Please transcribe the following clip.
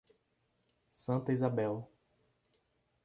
Santa Isabel